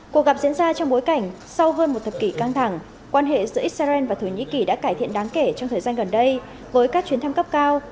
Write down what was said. cuộc gặp diễn ra trong bối cảnh sau hơn một thập kỷ căng thẳng quan hệ giữa israel và thổ nhĩ kỳ đã cải thiện đáng kể trong thời gian gần đây với các chuyến thăm cấp cao